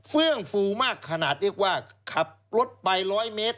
ื่องฟูมากขนาดเรียกว่าขับรถไป๑๐๐เมตร